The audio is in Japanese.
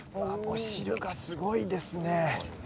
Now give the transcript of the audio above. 汁がすごいですね。